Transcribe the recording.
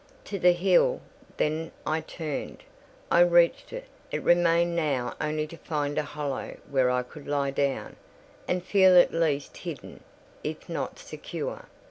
To the hill, then, I turned. I reached it. It remained now only to find a hollow where I could lie down, and feel at least hidden, if not secure.